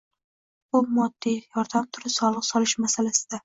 Bu moddiy yordam turi soliq solish masalasida